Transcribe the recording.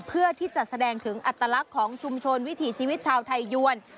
เพื่อที่จะแสดงถึงอัตลักษณ์ของชุมชนวิถีชีวิตชาวไทยยวน